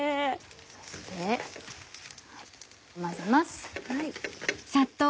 そして混ぜます。